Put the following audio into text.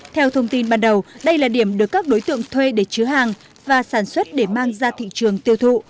theo thông tin ban đầu đây là điểm được các đối tượng thuê để chứa hàng và sản xuất để mang ra thị trường tiêu thụ